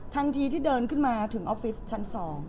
ทันทีที่เดินขึ้นมาถึงออฟฟิศชั้น๒